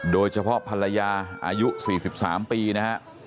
โดยเฉพาะภรรยาอายุ๔๓ปีนะฮะ